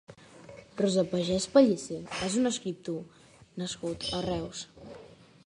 Rosa Pagès Pallisé és un escriptor nascut a Reus.